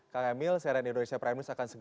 kang emil seren indonesia prime news akan segitu